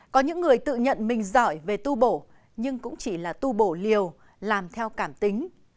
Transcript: có những người tự nhận mình giỏi về tu bổ nhưng cũng chỉ là tu bổ liều làm theo cảm tính